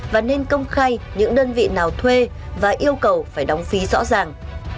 và nên công khai những đơn vị nào thuê và yêu cầu phải đóng phí rõ ràng